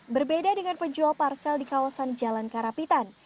berbeda dengan penjual parsel di kawasan jalan karapitan